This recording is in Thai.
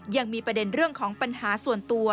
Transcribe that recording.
ยังมีประเด็นเรื่องของปัญหาส่วนตัว